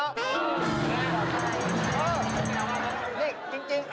โอ้โฮ